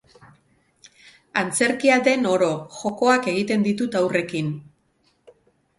Antzerkia den oro, jokoak egiten ditut haurrekin.